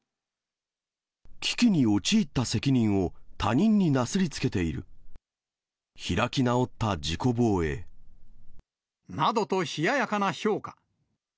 危機に陥った責任を他人になすりつけている。などと冷ややかな評価。